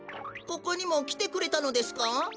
ここにもきてくれたのですか？